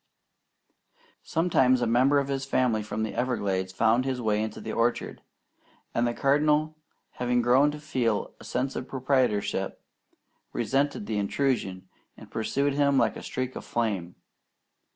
Sometimes a member of his family from the Everglades found his way into the orchard, and the Cardinal, having grown to feel a sense of proprietorship, resented the intrusion and pursued him like a streak of flame.